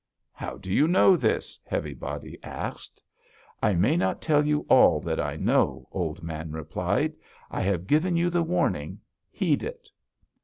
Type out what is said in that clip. "'How do you know this?' Heavy Body asked. "'I may not tell you all that I know,' Old Man replied. 'I have given you the warning; heed it.'